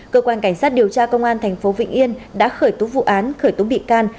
cơ quan cảnh sát điều tra công an tp vn đã khởi tố vụ án khởi tố bị can